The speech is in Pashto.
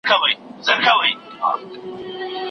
ویل خدایه څه ښکرونه لرم ښکلي